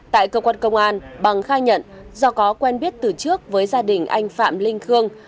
tại cơ quan công an bằng khai nhận do có quen biết từ trước với gia đình anh phạm linh khương